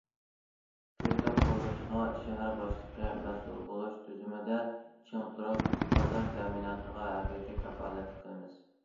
كۆكتات قۇرۇلۇشىغا شەھەر باشلىقى مەسئۇل بولۇش تۈزۈمىدە چىڭ تۇرۇپ، بازار تەمىناتىغا ھەقىقىي كاپالەتلىك قىلىمىز.